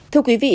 thưa quý vị